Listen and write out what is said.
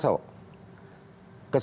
saya kembali ke dpp